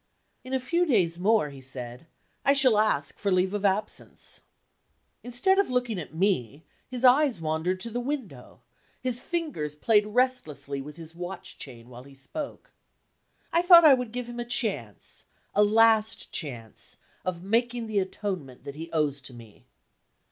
"In a few days more," he said, "I shall ask for leave of absence." Instead of looking at me, his eyes wandered to the window; his fingers played restlessly with his watch chain while he spoke. I thought I would give him a chance, a last chance, of making the atonement that he owes to me.